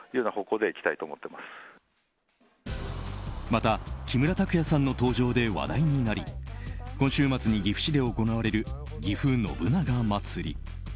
また、木村拓哉さんの登場で話題になり今週末に岐阜市で行われるぎふ信長まつり。